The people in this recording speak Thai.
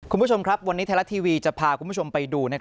คุณผู้ชมครับวันนี้ไทยรัฐทีวีจะพาคุณผู้ชมไปดู